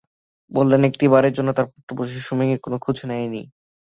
বললেন, একটি বারের জন্য তাঁর পুত্রবধূ শিশু মেয়ের কোনো খোঁজ নেয়নি।